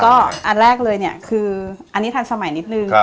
ก็อันแรกเลยเนี่ยคืออันนี้ทันสมัยนิดนึง